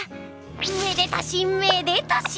めでたしめでたし！